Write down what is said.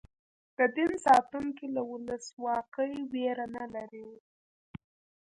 د دین ساتونکي له ولسواکۍ وېره نه لري.